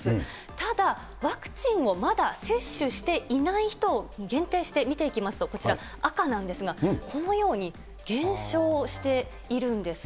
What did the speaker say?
ただ、ワクチンをまだ接種していない人を限定して見ていきますと、こちら、赤なんですが、このように、減少しているんです。